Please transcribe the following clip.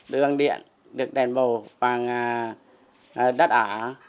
đường điện được đền bù bằng đất ả